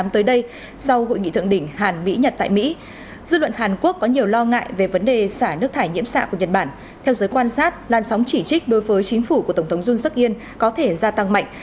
tại nhật bản theo giới quan sát lan sóng chỉ trích đối với chính phủ của tổng thống jun sắc yên có thể gia tăng mạnh